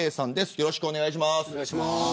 よろしくお願いします。